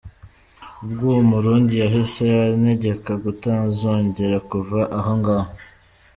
Ubwo uwo murundi yahise antegeka kutazongera kuva aho ngaho.